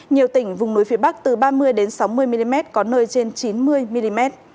nhiều tỉnh vùng núi phía bắc từ ba mươi sáu mươi mm có nơi trên chín mươi mm